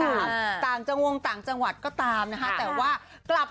ตามอืมอืมต่างใจวงต่างจังหวัดก็ตามนะฮะแต่ว่ากลับ